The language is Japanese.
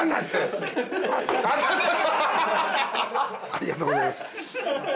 ありがとうございます。